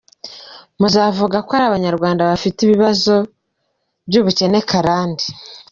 Muzavuga ko ari Abanyarwanda bafite ibibazo by’ubukene karande.